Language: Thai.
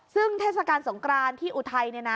ซึ่งเทศกาลสงกรานที่อุทัย